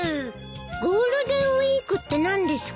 ゴールデンウィークって何ですか？